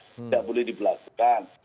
tidak boleh diberlakukan